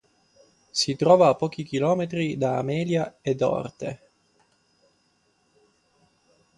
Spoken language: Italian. Si trova a pochi chilometri da Amelia ed Orte.